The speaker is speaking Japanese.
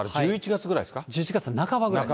１１月の半ばぐらいです。